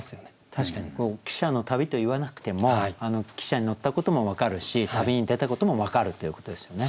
確かに「汽車の旅」と言わなくても汽車に乗ったことも分かるし旅に出たことも分かるっていうことですよね。